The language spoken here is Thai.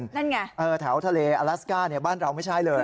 นั่นไงแถวทะเลอลัสก้าบ้านเราไม่ใช่เลย